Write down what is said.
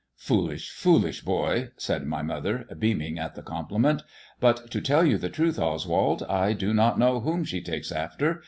" Foolish, foolish boy," said my mother, beaming at the compliment ;" but to tell you the truth, Oswald, I do not know whom she takes after.